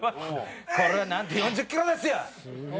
「これはなんと４０キロですよ！」